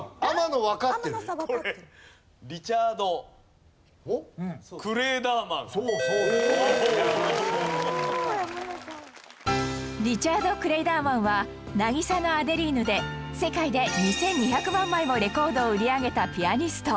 リチャード・クレイダーマンは『渚のアデリーヌ』で世界で２２００万枚もレコードを売り上げたピアニスト